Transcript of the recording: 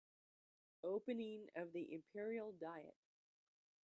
Opening of the Imperial diet